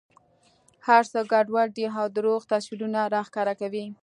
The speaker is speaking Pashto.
هر څه ګډوډ دي او درواغ تصویرونه را ښکاره کوي.